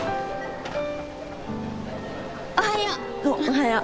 おはよう！